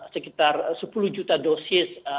sekitar sepuluh juta dosis